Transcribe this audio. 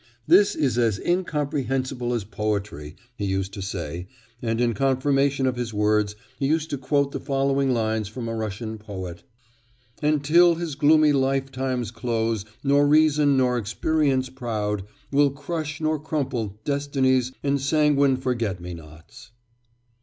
'This is as incomprehensible as poetry,' he used to say, and, in confirmation of his words, he used to quote the following lines from a Russian poet: 'And till his gloomy lifetime's close Nor reason nor experience proud Will crush nor crumple Destiny's Ensanguined forget me nots.